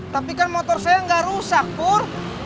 tapi kan motor saya ga rusak pur